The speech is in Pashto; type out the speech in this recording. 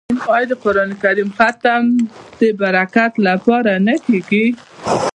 آیا د قران کریم ختم د برکت لپاره نه کیږي؟